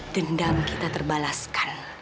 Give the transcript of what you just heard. dendam kita terbalaskan